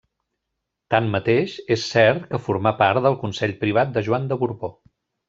Tanmateix, és cert que formà part del consell privat de Joan de Borbó.